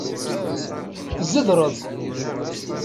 Tzedreḍ.